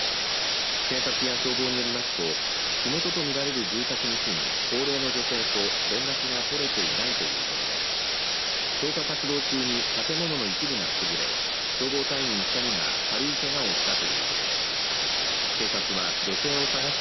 警察や消防によりますと火元と見られる住宅に住む高齢の女性と連絡が取れていないということです。